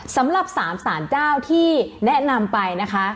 สำหรับ๓สารเจ้าที่แนะนำไปนะคะ